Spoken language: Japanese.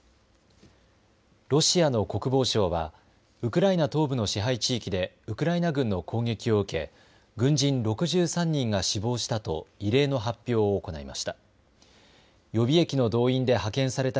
ロシアの国防省はウクライナ東部の支配地域でウクライナ軍の攻撃を受け軍人６３人が死亡したと異例の発表を行いました。